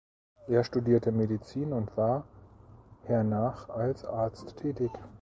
Er studierte Medizin und war hernach als Arzt tätig.